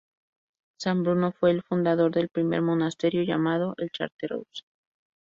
San Bruno fue el fundador del primer monasterio llamado "la Chartreuse".